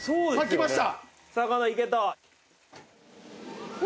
きました！